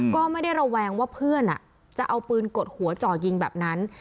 ก็ไม่ได้ระแวงว่าเพื่อนจะเอาปืนกดหัวจ่อยิงแบบนั้น